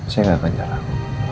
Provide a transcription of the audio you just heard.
saya gak akan jarak